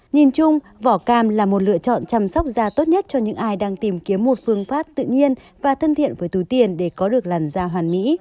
nhìn chung vỏ cam là một lựa chọn chăm sóc da tốt nhất cho những ai đang tìm kiếm một phương pháp tự nhiên và thân thiện với túi tiền để có được làn da hoàn mỹ